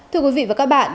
thưa quý vị và các bạn